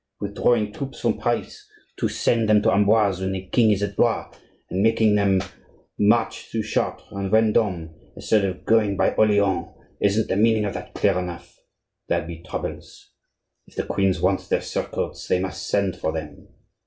Withdrawing troops from Paris to send them to Amboise when the king is at Blois, and making them march through Chartres and Vendome, instead of going by Orleans—isn't the meaning of that clear enough? There'll be troubles. If the queens want their surcoats, they must send for them.